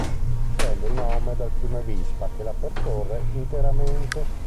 Prende il nome dal fiume Vispa che la percorre interamente.